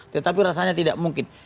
tetapi rasanya tidak mungkin